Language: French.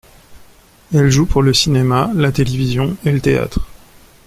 Elle joue pour le cinéma, la télévision et le théâtre.